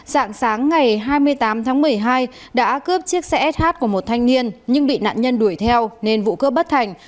dạng sáng ngày hai mươi tám tháng một mươi hai đã cướp chiếc xe sh của một thanh niên nhưng bị nạn nhân đuổi theo nên vụ cướp bất thành